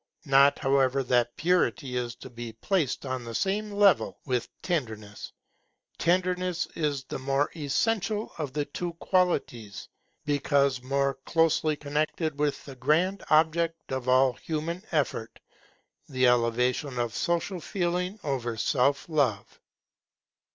Not however that purity is to be placed on the same level with tenderness. Tenderness is the more essential of the two qualities, because more closely connected with the grand object of all human effort, the elevation of Social Feeling over Self love.